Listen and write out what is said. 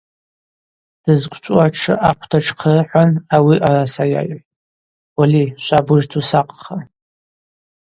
Дызквчӏву атшы ахъвда тшхъирыхӏван ауи араса йайхӏвтӏ: –Уали, швабыжта усакъха.